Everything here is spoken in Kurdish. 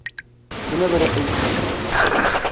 Tu nebiriqî.